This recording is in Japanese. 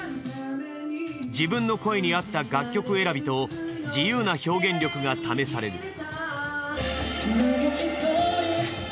自分の声に合った楽曲選びと自由な表現力が試される。